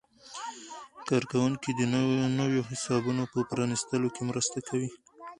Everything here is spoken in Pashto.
کارکوونکي د نویو حسابونو په پرانیستلو کې مرسته کوي.